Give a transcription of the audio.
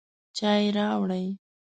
چای راوړئ